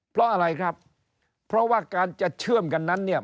เพราะอะไรครับเพราะว่าการจะเชื่อมกันนั้นเนี่ย